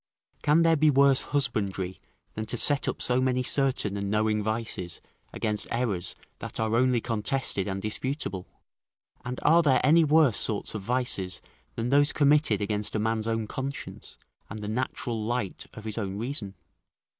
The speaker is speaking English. Can there be worse husbandry than to set up so many certain and knowing vices against errors that are only contested and disputable? And are there any worse sorts of vices than those committed against a man's own conscience, and the natural light of his own reason?